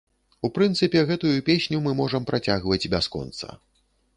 У прынцыпе, гэтую песню мы можам працягваць бясконца.